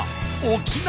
沖縄。